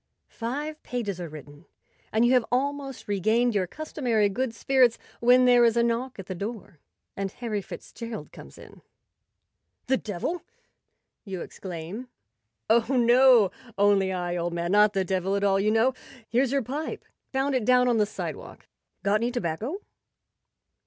Five pages are written, and you have almost regained your customary good spirits, when there is a knock at the door and Harry Fitzgerald comes in. " The devil! " you exclaim. " Oh, no, only I, old man; not the devil at all, you know. Here's your pipe. Found it down on the sidewalk. Got any tobacco